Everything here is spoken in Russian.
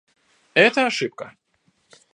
Это ошибка.